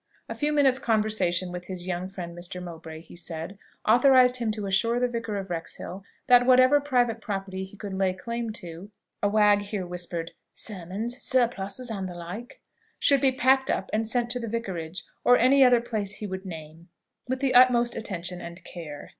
A few minutes' conversation with his young friend Mr. Mowbray, he said, authorized him to assure the Vicar of Wrexhill that whatever private property he could lay claim to (a wag here whispered, "Sermons, surplices, and the like") should be packed up and sent to the Vicarage, or any other place he would name, with the utmost attention and care.